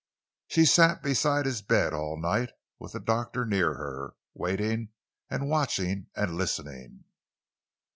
She sat beside his bed all night, with the doctor near her, waiting and watching and listening.